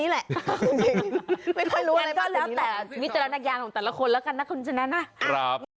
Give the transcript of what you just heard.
ฮ่า